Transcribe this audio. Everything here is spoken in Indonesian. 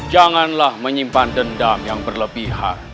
janganlah menyimpan dendam yang berlebihan